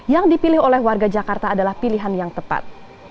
yang dipilih oleh warga jakarta adalah pilihan yang tepat